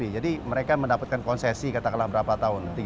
jadi mereka mendapatkan konsesi katakanlah berapa tahun